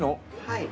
はい。